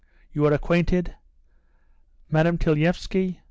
"You are acquainted? Madam Tilyaevsky, M.